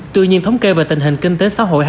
tự nhiên thống kê về tình hình kinh tế xã hội